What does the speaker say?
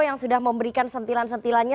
yang sudah memberikan sentilan sentilannya